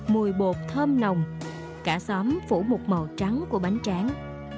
mùi bột thơm nồng cả xóm phủ một màu trắng của bánh tráng